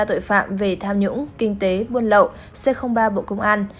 tội phạm về tham nhũng kinh tế buôn lậu c ba bộ công an